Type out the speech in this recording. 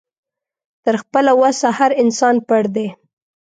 تر خپله وسه هر انسان پړ دی